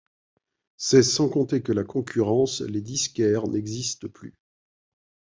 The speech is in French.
C'est sans compter que la concurrence - les disquaires - n'existent plus.